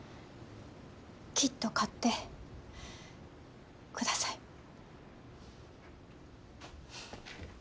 きっと勝ってください。